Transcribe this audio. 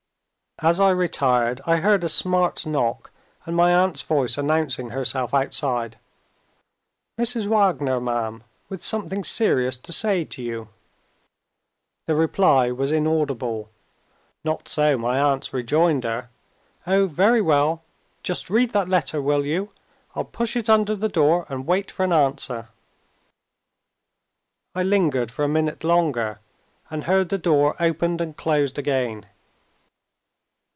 As I retired, I heard a smart knock, and my aunt's voice announcing herself outside "Mrs. Wagner, ma'am, with something serious to say to you." The reply was inaudible. Not so my aunt's rejoinder: "Oh, very well! Just read that letter, will you? I'll push it under the door, and wait for an answer." I lingered for a minute longer and heard the door opened and closed again.